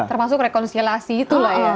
termasuk rekonstelasi itulah ya